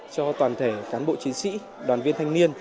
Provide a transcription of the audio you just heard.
cho toàn thể cán bộ chiến sĩ đoàn viên thanh niên